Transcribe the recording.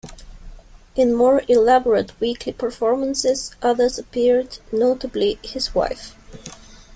In more elaborate weekly performances others appeared, notably his wife.